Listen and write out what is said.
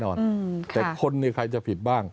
ชัดเจนแล้วว่ารถนี่ผิดแน่นอนแต่คนนี่ใครจะผิดบ้าง